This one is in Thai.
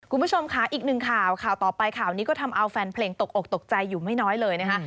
คุณผู้ชมค่ะอีกหนึ่งข่าวข่าวต่อไปข่าวนี้ก็ทำเอาแฟนเพลงตกอกตกใจอยู่ไม่น้อยเลยนะคะ